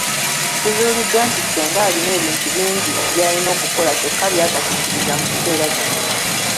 Kizuuliddwa nti Ssenga alina ebintu bingi byayina okukola, kyokka byatatuukiriza mu kiseera kino.